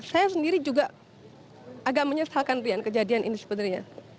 saya sendiri juga agak menyesalkan rian kejadian ini sebenarnya